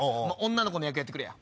女の子の役やってくれや。